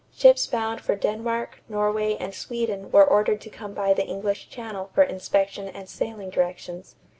Ships bound for Denmark, Norway, and Sweden were ordered to come by the English Channel for inspection and sailing directions.